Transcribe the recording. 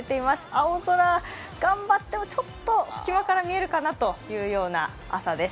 青空、頑張っても、ちょっと隙間から見えるかなというような朝です。